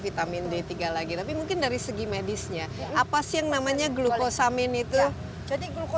vitamin d tiga lagi tapi mungkin dari segi medisnya apa sih yang namanya glukosamin itu jadi